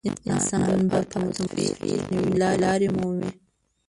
انسان به په اتموسفیر کې نوې لارې مومي.